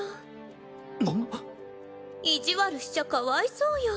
意地悪しちゃかわいそうよ。